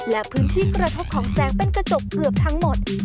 และพื้นที่กระทบของแสงเป็นกระจกเกือบทั้งหมด